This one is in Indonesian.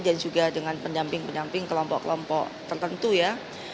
dan juga dengan pendamping pendamping kelompok kelompok tertentu ya